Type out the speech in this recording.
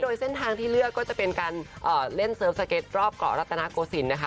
โดยเส้นทางที่เลือกก็จะเป็นการเล่นเซิร์ฟสเก็ตรอบเกาะรัตนโกศิลป์นะคะ